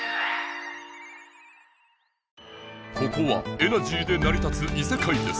ここはエナジーでなり立ついせかいです！